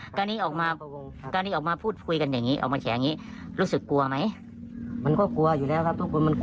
ก็ออกมาตรงนี้ครับถ้าเราไม่ทำแล้วใครจะทำล่ะครับ